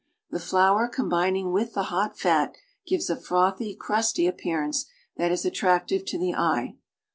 The flotir combining with the hot fat gives a frothy, crusty appearance that is attractive to the eye.